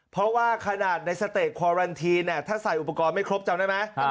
เพราะว่าขนาดในสเตจคอรันทีนถ้าใส่อุปกรณ์ไม่ครบจำได้ไหม